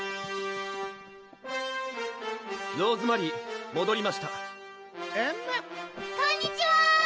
ローズマリーもどりましたうむこんにちは！